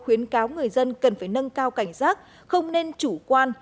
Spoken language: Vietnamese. khuyến cáo người dân cần phải nâng cao cảnh giác không nên chủ quan